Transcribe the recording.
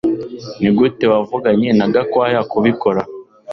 Nigute wavuganye na Gakwaya kubikora